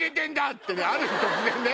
ってある日突然ね。